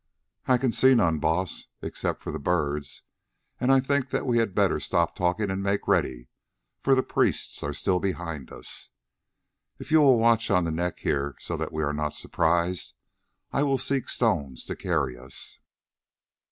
"I can see none, Baas, except for the birds, and I think that we had better stop talking and make ready, for the priests are still behind us. If you will watch on the neck here so that we are not surprised, I will seek stones to carry us."